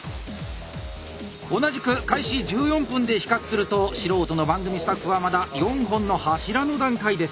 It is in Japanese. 同じく開始１４分で比較すると素人の番組スタッフはまだ４本の柱の段階です。